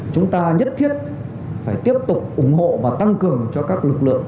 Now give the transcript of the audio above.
chúng ta nhất thiết phải tiếp tục ủng hộ và tăng cường cho các lực lượng